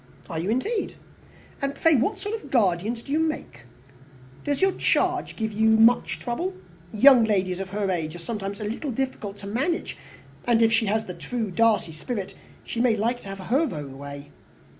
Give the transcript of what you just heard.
"Are you, indeed? And pray what sort of a guardian do you make? Does your charge give you much trouble? Young ladies of her age are sometimes a little difficult to manage; and if she has the true Darcy spirit, she may like to have her own way."